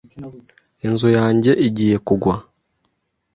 Inzu yanjye igiye kugwa